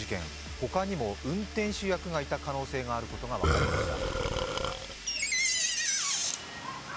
他にも運転手役がいた可能性があることが分かりました。